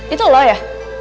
itu boleh ya